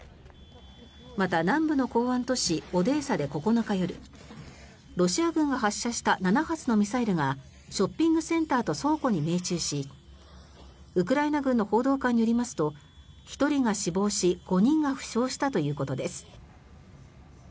また南部の港湾都市オデーサで９日夜ロシア軍が発射した７発のミサイルがショッピングセンターと倉庫に命中しウクライナ軍の報道官によりますと１人が死亡し５人が負傷したということです。